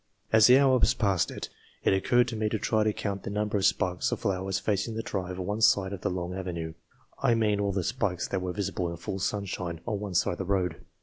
As the hours passed by, it occurred to me to try to count the number of spikes of flowers facing the drive on one side of the long avenue I mean all the spikes that were visible in full sunshine on one side of the road.